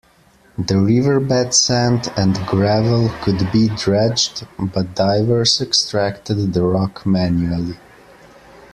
The riverbed sand and gravel could be dredged, but divers extracted the rock manually.